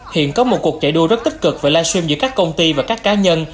hiện có một cuộc chạy đua rất tích cực về livestream giữa các công ty và các cá nhân